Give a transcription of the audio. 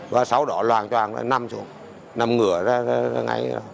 và sau đó hoàn toàn là nằm xuống nằm ngửa ra ngay